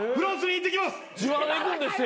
自腹で行くんですって。